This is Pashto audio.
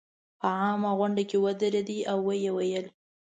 په عامه غونډه کې ودرېد او ویې ویل.